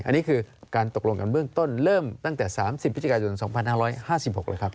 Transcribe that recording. อันนี้คือการตกลงกันเบื้องต้นเริ่มตั้งแต่๓๐พฤศจิกายน๒๕๕๖เลยครับ